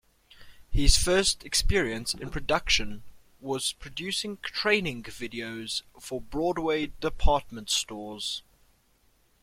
His first experience in production was producing training videos for Broadway Department Stores.